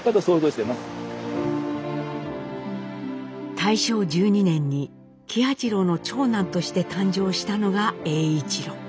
大正１２年に喜八郎の長男として誕生したのが栄一郎。